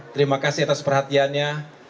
terima kasih atas perhatiannya